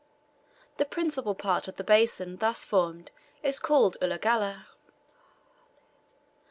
The principal part of the basin thus formed is called Ulagalla.